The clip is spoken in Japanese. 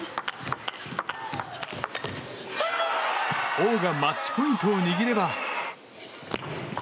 オウがマッチポイントを握れば。